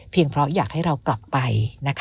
เพราะอยากให้เรากลับไป